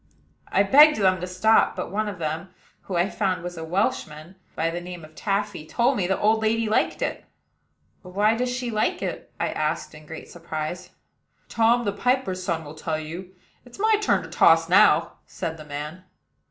I begged them to stop; but one of the men, who, I found, was a Welchman, by the name of Taffy, told me the old lady liked it. "But why does she like it?" I asked in great surprise. "Tom, the piper's son, will tell you: it's my turn to toss now," said the man.